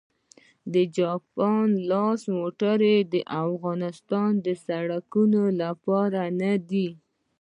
د جاپان لاس موټرې د افغانستان د سړکونو لپاره نه دي